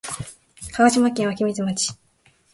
鹿児島県湧水町